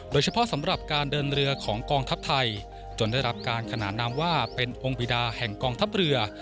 สำหรับการเดินเรือของกองทัพไทยจนได้รับการขนานนามว่าเป็นองค์บิดาแห่งกองทัพเรือ